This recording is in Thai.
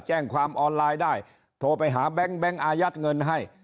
แจ้งความออนไลน์ได้โทรไปหาแบงค์อายัดเงินให้